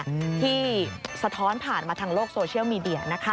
ที่สะท้อนผ่านมาทางโลกโซเชียลมีเดีย